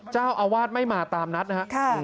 เจ้าอาวาสไม่มาตามนัดนะครับ